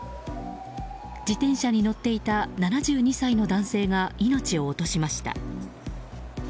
自転車に乗っていた７２歳の男性が命を落としました。